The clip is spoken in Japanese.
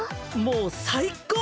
もう最高！